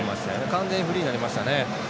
完全にフリーになりましたね。